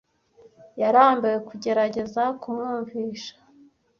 Yarambiwe kugerageza kumwumvisha.